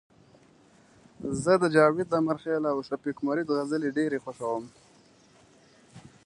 زه د جاوید امرخیل او شفیق مرید غزلي ډيري خوښوم